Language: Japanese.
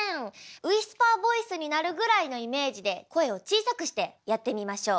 ウイスパーボイスになるぐらいのイメージで声を小さくしてやってみましょう。